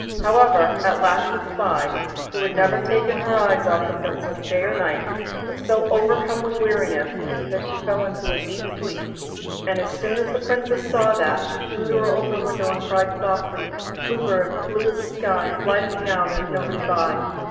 However, at last the spy, who had never taken her eyes off the Princess day or night, was so overcome with weariness that she fell into a deep sleep, and as son as the Princess saw that, she flew to open her window and cried softly: 'Blue Bird, blue as the sky, Fly to me now, there's nobody by.